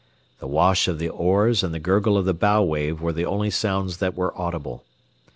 The wash of the oars and the gurgle of the bow wave were the only sounds that were audible.